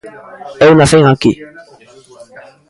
Eu nacín aquí.